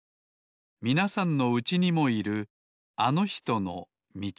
みなさんのうちにもいるあのひとのみちです